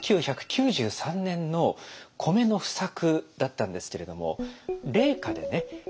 １９９３年のコメの不作だったんですけれども冷夏でね